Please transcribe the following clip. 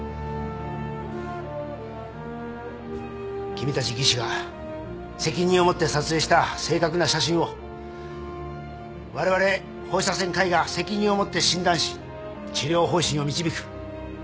君たち技師が責任を持って撮影した正確な写真をわれわれ放射線科医が責任を持って診断し治療方針を導く。